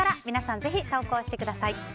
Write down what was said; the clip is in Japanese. ぜひ投稿してください。